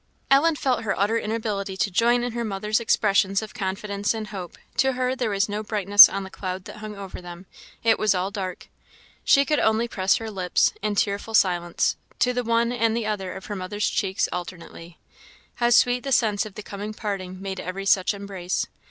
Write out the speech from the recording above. Ellen felt her utter inability to join in her mother's expressions of confidence and hope; to her there was no brightness on the cloud that hung over them it was all dark. She could only press her lips, in tearful silence, to the one and the other of her mother's cheeks alternately. How sweet the sense of the coming parting made every such embrace!